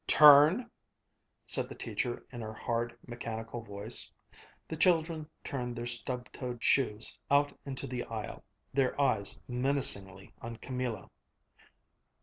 "Turn!" said the teacher, in her tired, mechanical voice. The children turned their stubbed toed shoes out into the aisle, their eyes menacingly on Camilla.